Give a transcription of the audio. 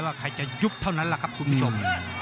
ใครจะยุบเท่านั้นแหละครับคุณผู้ชม